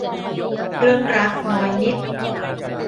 เรื่องรัก น้อยนิด